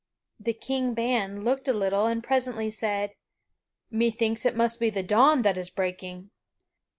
Then King Ban looked a little and presently said: "Methinks it must be the dawn that is breaking."